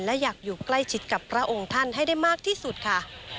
และอยากอยู่ใกล้ชิดกับพระองค์ท่านให้ได้มากที่สุดค่ะ